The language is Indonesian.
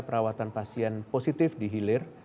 perawatan pasien positif di hilir